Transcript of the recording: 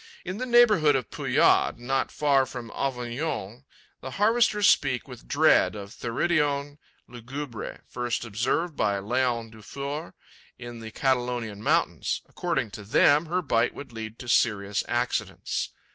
In the neighbourhood of Pujaud, not far from Avignon, the harvesters speak with dread of Theridion lugubre, first observed by Leon Dufour in the Catalonian mountains; according to them, her bite would lead to serious accidents.